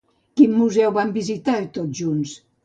Quin museu van visitar tots junts?